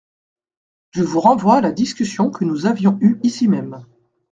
Je vous renvoie à la discussion que nous avions eue ici même.